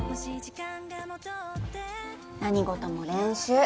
何事も練習。